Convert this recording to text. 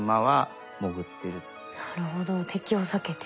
なるほど敵を避けて。